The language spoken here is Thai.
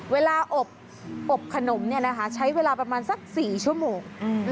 เวลาอบขนมใช้เวลาประมาณสัก๔ชั่วโมง